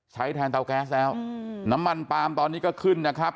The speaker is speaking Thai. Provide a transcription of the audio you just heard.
แทนเตาแก๊สแล้วน้ำมันปาล์มตอนนี้ก็ขึ้นนะครับ